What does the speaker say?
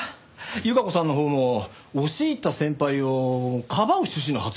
由香子さんのほうも押し入った先輩をかばう趣旨の発言をしていて。